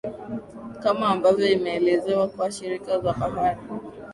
kama ambavyo imeelezewa na shirika la habari